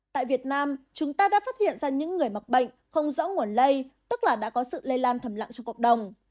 tại việt nam chúng ta đã phát hiện ra những người mắc bệnh không rõ nguồn lây tức là đã có sự lây lan thầm lặng trong cộng đồng